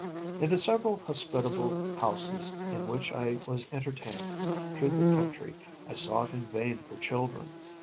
In the several hospitable houses in which I was entertained through the country I sought in vain for children.